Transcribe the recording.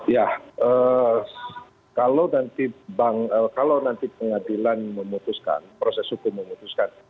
ya kalau nanti pengadilan memutuskan